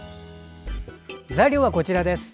材料はこちらです。